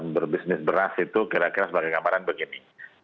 berbisnis beras itu kira kira sebagai gambaran begini